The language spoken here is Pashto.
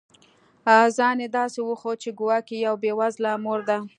ځان یې داسي وښود چي ګواکي یوه بې وزله مور ده